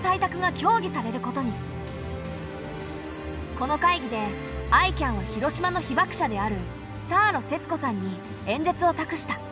この会議でＩＣＡＮは広島の被爆者であるサーロー節子さんに演説をたくした。